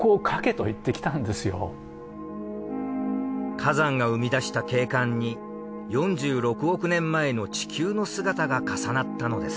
火山が生み出した景観に４６億年前の地球の姿が重なったのです。